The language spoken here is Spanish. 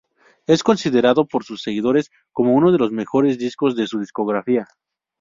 Es considerado por sus seguidores como uno de los mejores discos de su discografía.